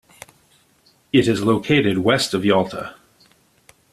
It is located west of Yalta.